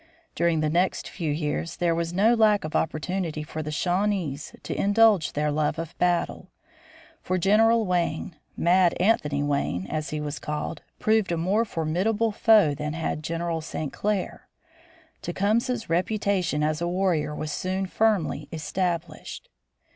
During the next few years there was no lack of opportunity for the Shawnees to indulge their love of battle; for General Wayne, "Mad Anthony Wayne," as he was called, proved a more formidable foe than had General St. Clair. Tecumseh's reputation as a warrior was soon firmly established.